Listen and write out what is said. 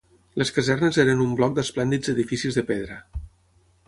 Les Casernes eren un bloc d'esplèndids edificis de pedra